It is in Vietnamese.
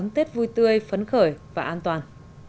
tết vui tươi phấn khởi và an toàn